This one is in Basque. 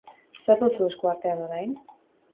Zer duzu esku artean orain?